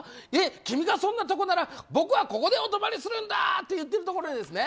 君がそんなとこなら僕はここでお泊りするんだって言ってるところですね。